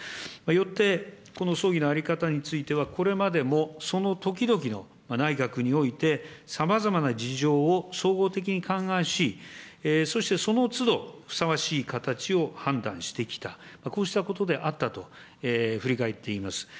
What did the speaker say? よって、この葬儀の在り方については、これまでもその時々の内閣において、さまざまな事情を総合的に勘案し、そしてそのつど、ふさわしい形を判断してきた、こうしたことであったと振り返っています。